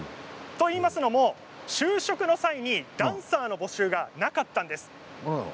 といいますのも、就職の際にダンサーの募集がなかったんです。